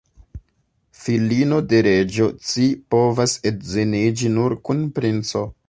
Filino de reĝo, ci povas edziniĝi nur kun princo.